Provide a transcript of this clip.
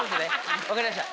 分かりました。